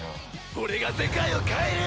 俺が世界を変える！